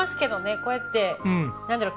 こうやってなんだろう？